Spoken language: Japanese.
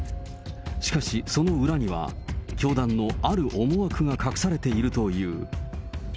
しかし、その裏には教団のある思惑が隠されているという。